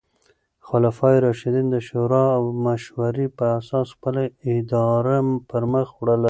خلفای راشدین د شورا او مشورې په اساس خپله اداره پر مخ وړله.